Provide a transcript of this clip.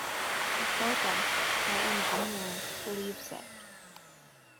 MacDougall, my engineer, believes it.